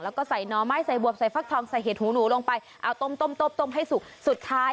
แล้วก็ใส่หนอนไม้ใส่ซืมวับใส่ฟักธองใส่เห็คูณูลงไปอุ้ยตบให้สุก